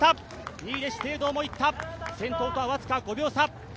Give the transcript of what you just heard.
２位で資生堂も行った、先頭とは僅か５秒差。